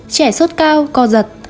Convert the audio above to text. trẻ sốt cao co giật